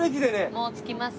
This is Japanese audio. もう着きます。